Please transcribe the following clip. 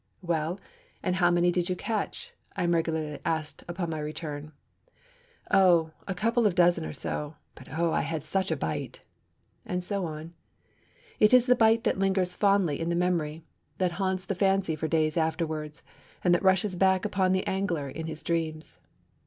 'Well, and how many did you catch?' I am regularly asked on my return. 'Oh, a couple of dozen or so; but, oh, I had such a bite! ...' And so on. It is the bite that lingers fondly in the memory, that haunts the fancy for days afterwards, and that rushes back upon the angler in his dreams.